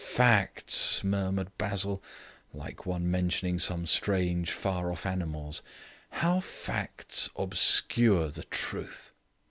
"Facts," murmured Basil, like one mentioning some strange, far off animals, "how facts obscure the truth.